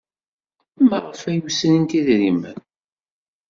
Maɣef ay srint idrimen?